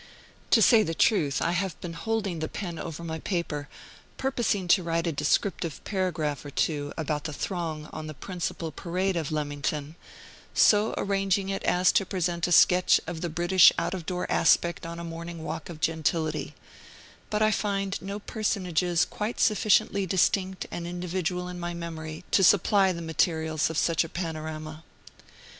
To say the truth, I have been holding the pen over my paper, purposing to write a descriptive paragraph or two about the throng on the principal Parade of Leamington, so arranging it as to present a sketch of the British out of door aspect on a morning walk of gentility; but I find no personages quite sufficiently distinct and individual in my memory to supply the materials of such a panorama.